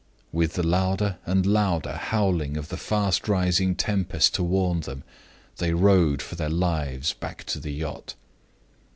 With the louder and louder howling of the fast rising tempest to warn them, they rowed for their lives back to the yacht.